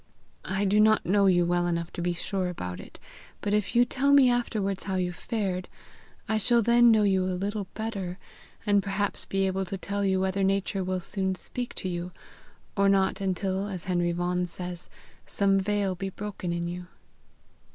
I do not know you well enough to be sure about it; but if you tell me afterwards how you fared, I shall then know you a little better, and perhaps be able to tell you whether Nature will soon speak to you, or not until, as Henry Vaughan says, some veil be broken in you."